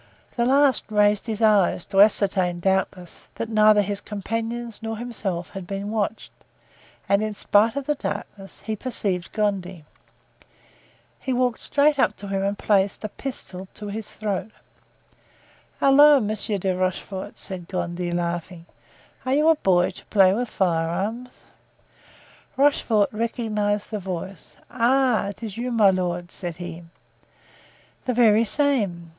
The last raised his eyes, to ascertain, doubtless, that neither his companions nor himself had been watched, and, in spite of the darkness, he perceived Gondy. He walked straight up to him and placed a pistol to his throat. "Halloo! Monsieur de Rochefort," said Gondy, laughing, "are you a boy to play with firearms?" Rochefort recognized the voice. "Ah, it is you, my lord!" said he. "The very same.